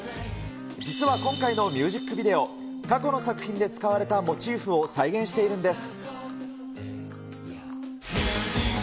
実は今回のミュージックビデオ、過去の作品で使われたモチーフを再現しているんです。